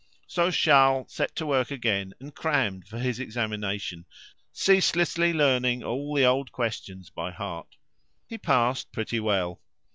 So Charles set to work again and crammed for his examination, ceaselessly learning all the old questions by heart. He passed pretty well.